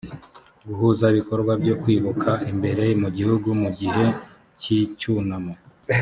guhuza ibikorwa byo kwibuka imbere mu gihugu mu gihe cy icyunamo